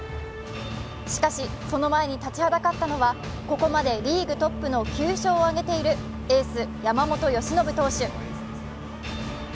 しかし、その前に立ちはだかったのはここまでリーグトップの９勝を挙げているエース・山本由伸選手。